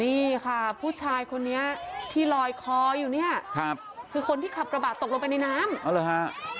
นี่ค่ะผู้ชายคนนี้ที่รอยคออยู่นี่คนที่ขับระบะตกลงไปในน้ำ